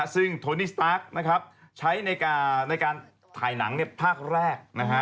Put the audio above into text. ซึ่งโทนี่สตาร์คใช้ในการถ่ายหนังภาคแรก